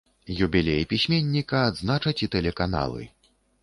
Юбілей пісьменніка адзначаць і тэлеканалы.